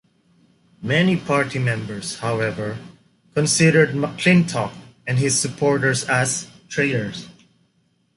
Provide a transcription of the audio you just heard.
Many party members, however, considered McClintock and his supporters as "traitors".